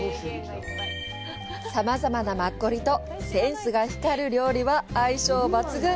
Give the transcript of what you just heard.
さまざまなマッコリとセンスが光る料理は相性抜群。